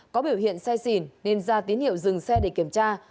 có biểu hiện xe xìn nên ra tín hiệu dừng xe để kiểm tra